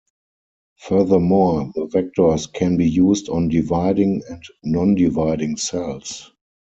Furthermore, the vectors can be used on dividing and non-dividing cells.